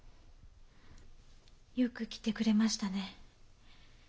よく来てくれましたね。